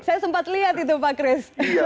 saya sempat lihat itu pak chris